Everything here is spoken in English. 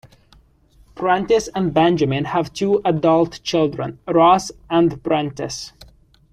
Prentiss and Benjamin have two adult children, Ross and Prentiss.